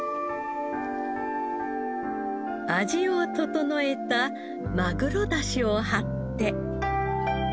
味を調えたマグロ出汁を張って。